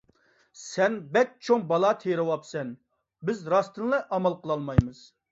سەن بەك چوڭ بالا تېرىۋاپسەن! بىز راستتىنلا ئامال قىلالمايمىز.